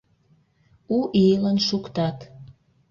У ийлан шуктат.